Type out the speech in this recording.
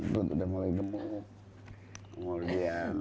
sudah mulai gemuk kemudian